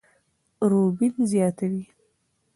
روبين زياتوي،